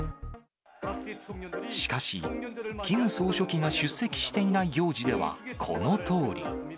しかし、キム総書記が出席していない行事ではこのとおり。